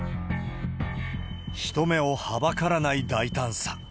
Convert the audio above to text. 人目をはばからない大胆さ。